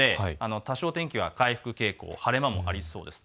多少天気は回復傾向、晴れ間もありそうです。